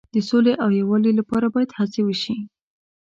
د سولې او یووالي لپاره باید هڅې وشي.